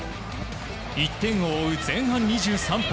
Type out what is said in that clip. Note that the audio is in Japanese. １点を追う前半２３分。